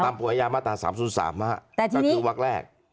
ตามภูมิอาญามาตรา๓๐๓ก็คือวักแรก